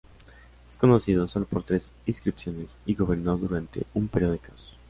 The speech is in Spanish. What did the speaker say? Es conocido, sólo por tres inscripciones, y gobernó durante un período de caos.